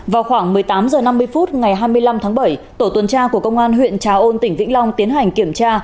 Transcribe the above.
vào khoảng một mươi tám h năm mươi phút ngày hai mươi năm tháng bảy tổ tuần tra của công an huyện trà ôn tỉnh vĩnh long tiến hành kiểm tra